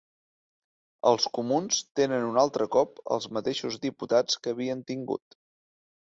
Els comuns tenen un altre cop els mateixos diputats que havien tingut